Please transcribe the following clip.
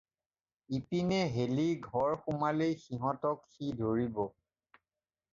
ইপিনে হেলি ঘৰ সোমালেই সিহঁতক সি ধৰিব।